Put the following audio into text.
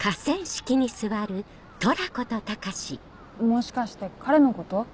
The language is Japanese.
もしかして彼のこと？